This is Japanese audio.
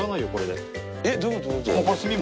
えっどういうこと？